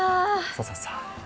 そうそうそう。